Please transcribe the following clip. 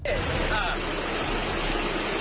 ตัวปริงแกบล้อยางล้อยาง